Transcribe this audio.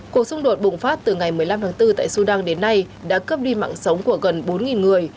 cuộc xung đột bùng phát từ ngày một mươi năm tháng bốn tại sudan đến nay đã cướp đi mạng sống của gần bốn người